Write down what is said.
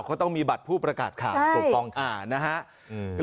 เขาต้องมีบัตรผู้ประกาศข่าวใช่ตรงต่ออ่านนะฮะอืม